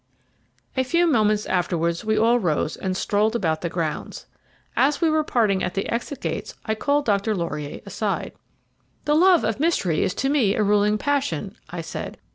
A few moments afterwards we all rose and strolled about the grounds. As we were parting at the exit gates I called Dr. Laurier aside. "The love of mystery is to me a ruling passion," I said.